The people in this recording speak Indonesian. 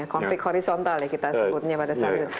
konflik horizontal ya kita sebutnya pada saat itu